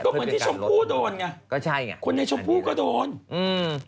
เหมือนที่ชมพู่โดนไงก็ใช่ไงคนในชมพู่ก็โดนอืม